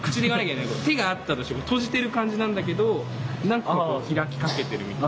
手があったとして閉じてる感じなんだけどなんか開きかけてるみたい。